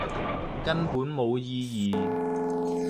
根本冇意義